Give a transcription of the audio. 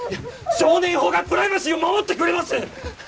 少年法がプライバシーを守ってくれます